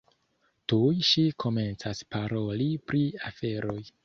Tuj ŝi komencas paroli pri aferoj.